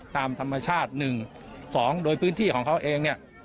ตามธรรมชาติ๑๒โดยพื้นที่ของเขาเองเนี่ย